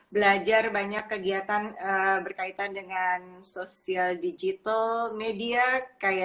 belajar banyak kegiatan berkaitan dengan sosial digital medis sebagainya gitu ya